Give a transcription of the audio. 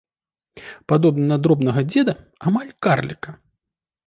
Падобны на дробнага дзеда, амаль карліка.